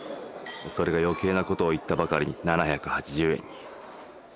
それが余計なことを言ったばかりに７８０円に。